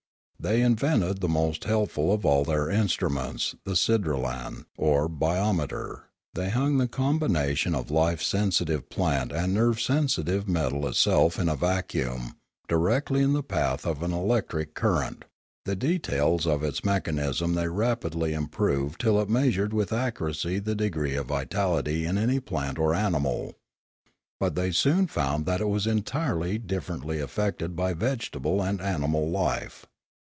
They invented the most helpful of all their instruments, the sidralan or biometer; they hung the combination of life sensitive plant and nerve sensitive metal itself in a vacuum, 336 Limanora directly in the path of an electric current; the. details of its mechanism they rapidly improved till it measured with accuracy the degree of vitality in any plant or animal. But they soon found that it was differently affected by vegetable and animal life.